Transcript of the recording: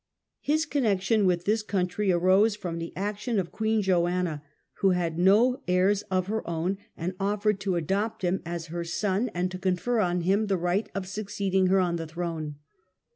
His connection with this country arose from the action of Queen Joanna, who had no Claims on heirs of her own and offered to adopt him as her son and to confer on him the right of succeeding her on the throne.